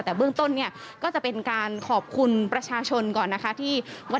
แต่เบื้องต้นเนี่ยก็จะเป็นการขอบคุณประชาชนก่อนนะคะที่วัด